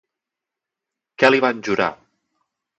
Què li van jurar?